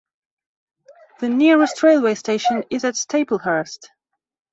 The nearest railway station is at Staplehurst.